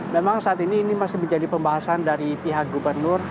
memang saat ini ini masih menjadi pembahasan dari pihak gubernur